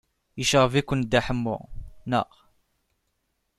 Yecɣeb-iken Dda Ḥemmu, naɣ?